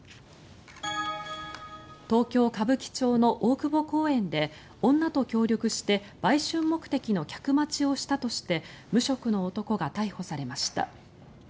東京・歌舞伎町の大久保公園で女と協力して売春目的の客待ちをしたとして無職の男が逮捕されました。